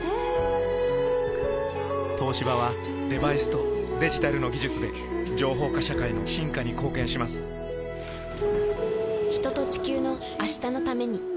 東芝はデバイスとデジタルの技術で情報化社会の進化に貢献します人と、地球の、明日のために。